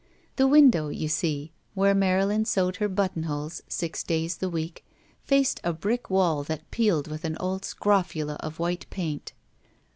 The window, you see, where Marylin sewed her buttonholes six days the week, faced a brick wall that peeled with an old scrofula of white paint.